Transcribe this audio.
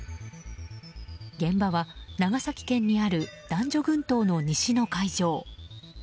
現場は、長崎県にある男女群島の西の海上。